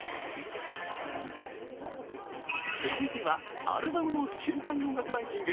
続いてはアルバムの週間音楽ランキング。